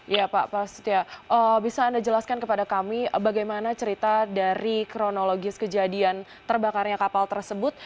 ya pak prasetya bisa anda jelaskan kepada kami bagaimana cerita dari kronologis kejadian terbakarnya kapal tersebut